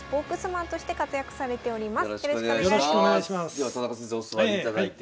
では田中先生お座りいただいて。